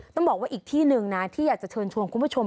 ต้องบอกว่าอีกที่หนึ่งนะที่อยากจะเชิญชวนคุณผู้ชม